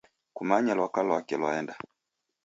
Kumanye lwaka lwake lwaenda.